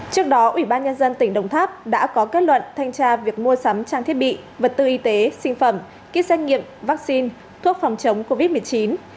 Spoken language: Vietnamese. trước đó ủy ban nhân dân tỉnh đồng tháp đã có kết luận thanh tra việc mua sắm trang thiết bị vật tư y tế sinh phẩm kýt xét nghiệm vaccine thuốc phòng chống covid một mươi chín